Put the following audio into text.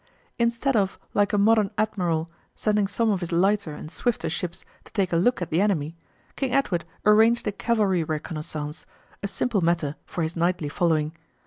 Instead of, like a modern admiral, sending some of his lighter and swifter ships to take a look at the enemy, King Edward arranged a cavalry reconnaissance, a simpler matter for his knightly following.